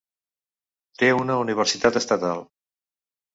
Té una universitat estatal.